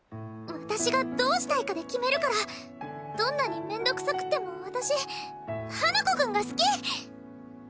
私がどうしたいかで決めるからどんなに面倒くさくっても私花子くんが好き！